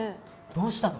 どうしたの？